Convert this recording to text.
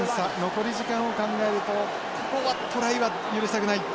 残り時間を考えるとここはトライは許したくない。